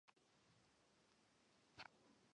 通过在钢材表面电镀锌而制成。